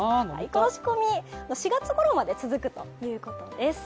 この仕込み、４月ごろまで続くということです。